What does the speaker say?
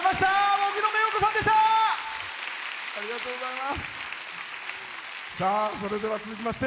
荻野目洋子さんでした。